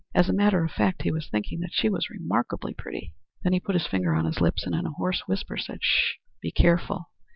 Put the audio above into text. As a matter of fact, he was thinking that she was remarkably pretty. Then he put his finger on his lips, and in a hoarse whisper, said, "Sh! Be careful.